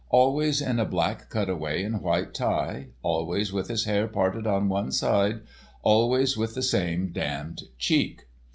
Always in a black cutaway and white tie, always with his hair parted on one side, always with the same damned cheek.